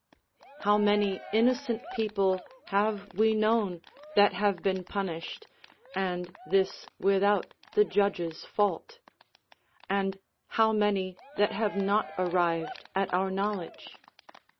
How many innocent people have we known that have been punished, and this without the judge's fault; and how many that have not arrived at our knowledge?